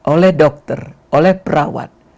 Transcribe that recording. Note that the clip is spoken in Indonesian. oleh dokter oleh perawat